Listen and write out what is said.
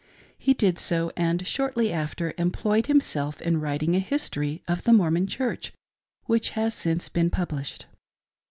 He did «o; and shortly after employed himself in writing a history of the Mormon Church, which has since been published.